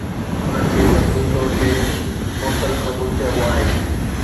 انهن کي مجموعي طور تي فوسل فيول چئبو آهي